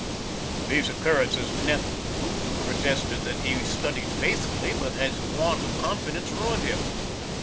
These occurrences nettled Booth, who protested that he studied faithfully but that his want of confidence ruined him.